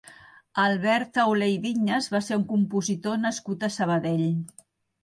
Albert Taulé i Viñas va ser un compositor nascut a Sabadell.